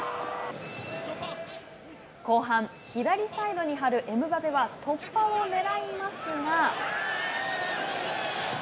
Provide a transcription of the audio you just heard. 後半左サイドに張るエムバペは突破をねらいますが。